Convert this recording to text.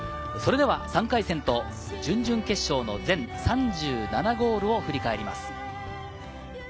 それでは３回戦と準々決勝の全３７ゴールを振り返ります。